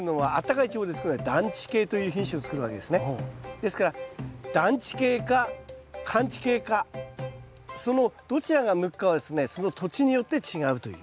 ですから暖地系か寒地系かそのどちらが向くかはですねその土地によって違うという。